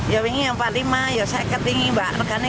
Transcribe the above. ya ini rp empat puluh lima ya saya ketimbang mbak